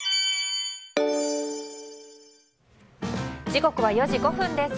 時刻は４時５分です。